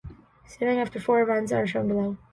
Standings after four events are shown below.